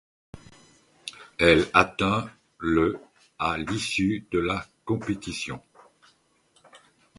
Elle atteint le à l'issue de la compétition.